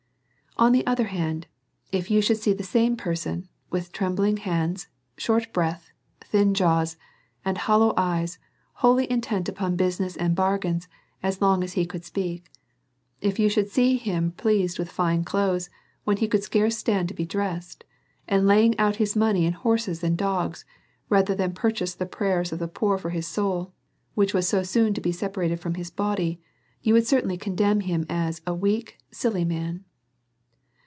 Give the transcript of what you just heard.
On the other hand, if you should see the same per* son, with trembhng hands, short breath, thin jaws^ DEVOUT AND HOLY LIFE. 159 «nd hollow eyeSj wholly intent upon business and bar gains as long as he could speak. If you should see him pleased with fine clothes, when he could scarce stefcid to be dressed, and laying out his money in hor ses and dogs rather than purchase the prayers of the poor for his soul, which was so soon to be separated from his body, you would certainly condemn him as a weak, silly man.